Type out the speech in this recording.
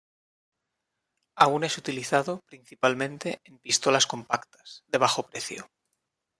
Aún es utilizado, principalmente, en pistolas compactas, de bajo precio.